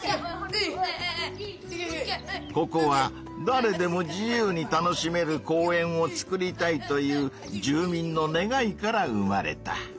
ここは「だれでも自由に楽しめる公園をつくりたい」という住民の願いから生まれた。